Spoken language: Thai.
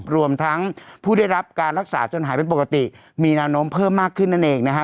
รวมทั้งผู้ได้รับการรักษาจนหายเป็นปกติมีแนวโน้มเพิ่มมากขึ้นนั่นเองนะฮะ